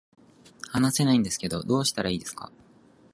話せないんですけど、どうしたらいいですか